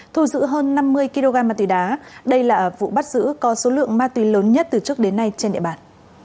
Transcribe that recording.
thu giữ hơn năm mươi kg ma túy đá đây là vụ bắt giữ có số lượng ma túy lớn nhất từ trước đến nay trên địa bàn